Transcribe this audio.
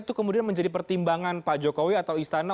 itu kemudian menjadi pertimbangan pak jokowi atau istana